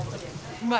うまい！